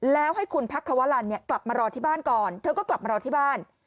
แล้วให้คุณพักควรรณกลับมารอที่บ้านก่อนเธอก็กลับมารอที่บ้าน